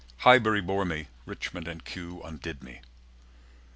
Highbury bore me. Richmond and Kew Undid me.